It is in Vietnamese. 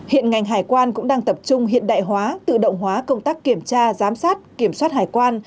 hiện ngành hải quan cũng đang tập trung hiện đại hóa tự động hóa công tác kiểm tra giám sát kiểm soát hải quan